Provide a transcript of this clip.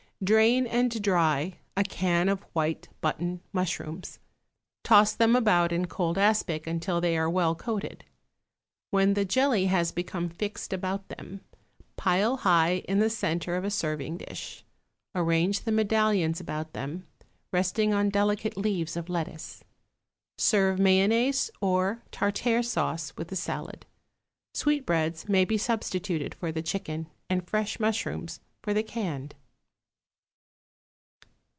Drain and dry a can of white button mushrooms; toss them about in cold aspic until they are well coated. When the jelly has become fixed about them, pile high in the centre of a serving dish; arrange the medallions about them, resting on delicate leaves of lettuce. Serve mayonnaise or tartare sauce with the salad. Sweetbreads may be substituted for the chicken, and fresh mushrooms for the canned.